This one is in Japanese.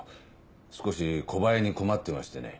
少し小バエに困ってましてね。